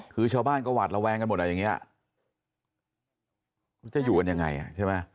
คือชาวบ้านก็หวาดระแวงกันหมดอ่ะอย่างนี้จะอยู่กันยังไงอ่ะใช่ไหม